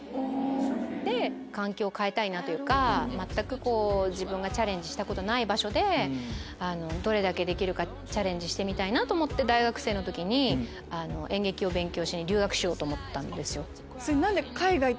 で環境を変えたいなというか全く自分がチャレンジしたことない場所でどれだけできるかチャレンジしてみたいと思って大学生の時に演劇を勉強しに留学しようと思ったんですよ。